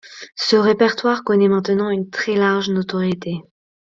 Ce répertoire connaît maintenant une très large notoriété.